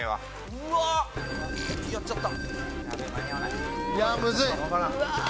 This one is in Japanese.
うわやっちゃった。